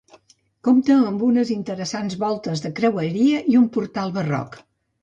Compta amb unes interessants voltes de creueria i un portal barroc.